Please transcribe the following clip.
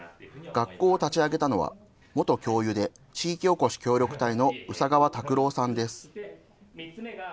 学校を立ち上げたのは、元教諭で地域おこし協力隊の宇佐川拓郎さんです。